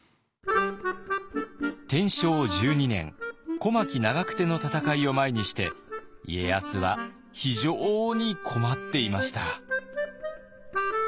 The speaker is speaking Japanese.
天正１２年小牧・長久手の戦いを前にして家康はひじょうに困っていました。